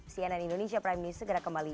cnn indonesia prime news segera kembali